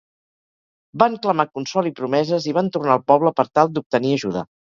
Van clamar consol i promeses i van tornar al poble per tal d'obtenir ajuda.